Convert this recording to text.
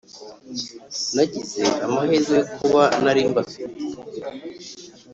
nagize amahirwe yo kuba nari mbafite